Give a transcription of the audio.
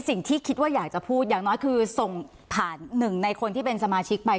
สิ่งที่คิดว่าอยากจะพูดอย่างน้อยคือส่งผ่านหนึ่งในคนที่เป็นสมาชิกไป